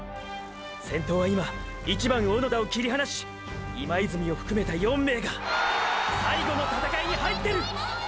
先頭は今１番小野田を切り離し今泉を含めた４名が最後の闘いに入ってる！！